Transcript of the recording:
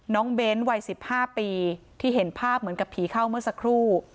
เบ้นวัย๑๕ปีที่เห็นภาพเหมือนกับผีเข้าเมื่อสักครู่